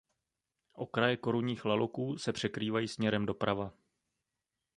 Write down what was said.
Okraje korunních laloků se překrývají směrem doprava.